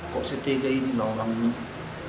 kok setia inilah orang ini